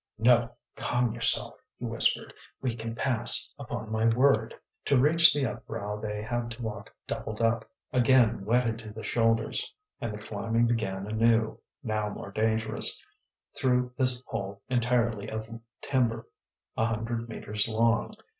"No! calm yourself," he whispered. "We can pass, upon my word!" To reach the upbrow they had to walk doubled up, again wetted to the shoulders. And the climbing began anew, now more dangerous, through this hole entirely of timber, a hundred metres long.